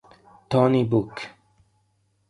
Tony Book